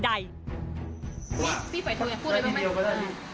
พี่ปล่อยทุกอย่างพูดได้ไหม